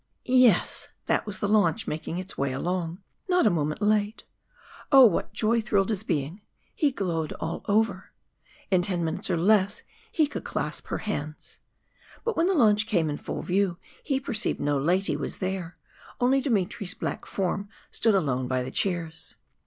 Yes, that was the launch making its way along, not a moment late. Oh! what joy thrilled his being! He glowed all over in ten minutes or less he could clasp her hands. But when the launch came in full view, he perceived no lady was there only Dmitry's black form stood alone by the chairs.